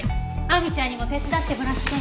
亜美ちゃんにも手伝ってもらって。